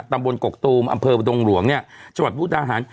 ตำบลกกตูมอำเภอดงหลวงจังหวัดพุทธาหาร